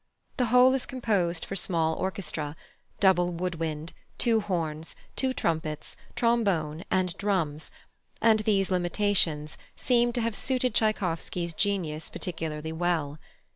The whole is composed for small orchestra, double wood wind, two horns, two trumpets, trombone, and drums, and these limitations seem to have suited Tschaikowsky's genius particularly well.